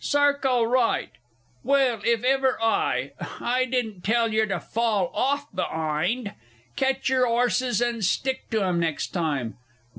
Circle Right!... Well, if ever I I didn't tell yer to fall off be'ind. Ketch your 'orses and stick to 'em next time.